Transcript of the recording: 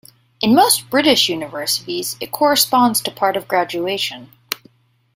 In most British universities, it corresponds to part of Graduation.